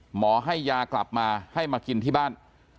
หมอให้ยากลับมาให้มากินที่บ้าน